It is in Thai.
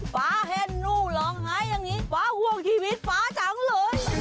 ฟ้าเห็นหนูร้องไห้อย่างนี้ฟ้าห่วงชีวิตฟ้าจังเลย